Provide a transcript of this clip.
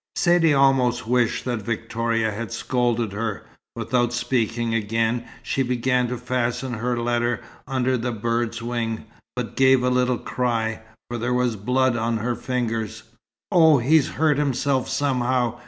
Saidee almost wished that Victoria had scolded her. Without speaking again, she began to fasten her letter under the bird's wing, but gave a little cry, for there was blood on her fingers. "Oh, he's hurt himself somehow!"